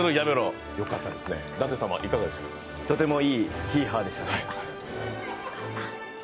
とてもいいヒーハーでしたね。